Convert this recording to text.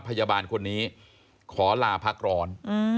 พยาบาลคนนี้ขอลาพักร้อน